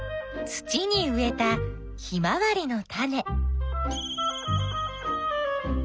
土に植えたヒマワリのタネ。